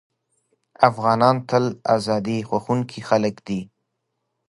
افغانان تل ازادي خوښوونکي خلک دي.